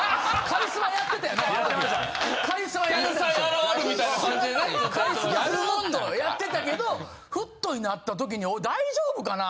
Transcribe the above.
カリスマやってたけどフットになった時に大丈夫かな